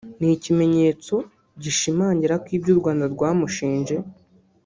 ni ikimenyetso gishimangira ko ibyo u Rwanda rwamushinje